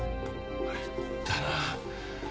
参ったな。